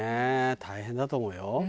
大変だと思うよ。